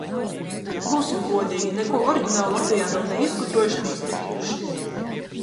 Būsim godīgi. Neko oriģinālu Latvijā nav ne izgudrojuši, ne izdarījuši.